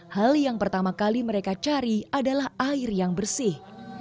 hal yang pertama kali mereka cari adalah air yang bersih